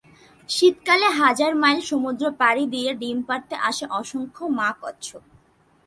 শীতকালে হাজার মাইল সমুদ্র পাড়ি দিয়ে ডিম পাড়তে আসে অসংখ্য মা কচ্ছপ।